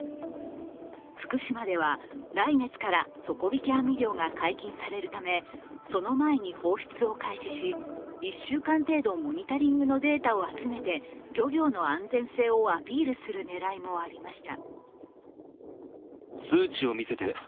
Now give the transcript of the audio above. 福島では来月から底引き網漁が解禁されるため、その前に放出を開始し、１週間程度モニタリングのデータを集めて漁業の安全性をアピールする狙いもありました。